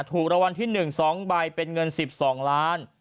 ถูกรางวัลที่๑๒ใบเป็นเงิน๑๒ล้าน